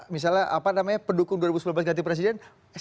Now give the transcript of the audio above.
misalnya apa namanya pendukung dua ribu sembilan belas ganti presiden